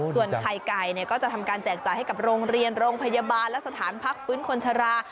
ส่วนไข่ไก่ก็จะทำการแจกจ่ายให้กับโรงเรียนโรงพยาบาลและสถานพักฟื้นคนชรา